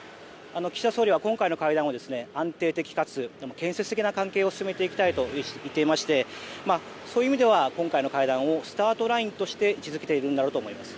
岸田総理は今回の会談で安定的かつ建設的な関係を進めていきたいと言っていましてそういう意味では、今回の会談をスタートラインとして位置づけているんだろうと思います。